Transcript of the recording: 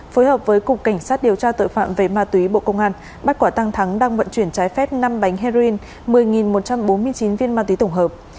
phối hợp với cục cảnh sát điều tra tội phạm về ma túy bộ công an bắt quả tăng thắng đang vận chuyển trái phép năm bánh heroin một mươi một trăm bốn mươi chín viên ma túy tổng hợp